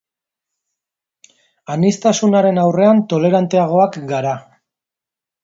Aniztasunaren aurrean toleranteagoak gara.